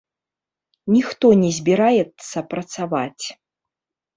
Ніхто не збіраецца працаваць.